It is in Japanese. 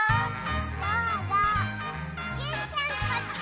どうぞジュンちゃんこっち！